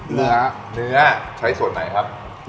เนื้อ